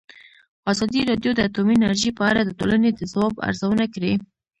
ازادي راډیو د اټومي انرژي په اړه د ټولنې د ځواب ارزونه کړې.